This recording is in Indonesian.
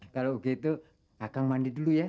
kalau begitu akan mandi dulu ya